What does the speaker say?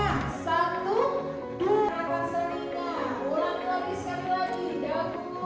mulai lagi sekali lagi